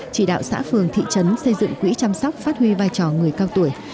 chỉ đạo xã phường thị trấn xây dựng quỹ chăm sóc phát huy vai trò người cao tuổi